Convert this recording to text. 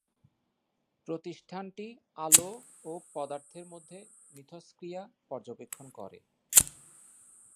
প্রতিষ্ঠানটি আলো ও পদার্থের মধ্যে মিথষ্ক্রিয়া পর্যবেক্ষণ করে।